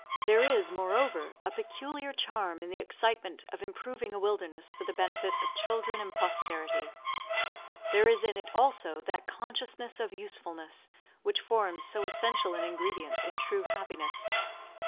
There is, moreover, a peculiar charm in the excitement of improving a wilderness for the benefit of children and posterity; there is in it, also, that consciousness of usefulness which forms so essential an ingredient in true happiness.